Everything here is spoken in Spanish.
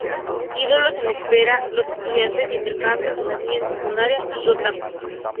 Ídolos en espera, los estudiantes de intercambio, las niñas de secundaria, y otaku.